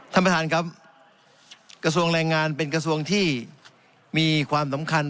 ท่านประธานครับกระทรวงแรงงานเป็นกระทรวงที่มีความสำคัญ